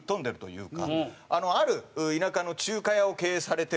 ある田舎の中華屋を経営されていると。